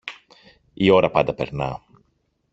Η ώρα πάντα περνά.